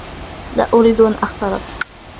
لا أريد أن أخسركَ.